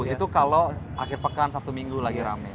satu ratus empat puluh itu kalau akhir pekan sabtu minggu lagi rame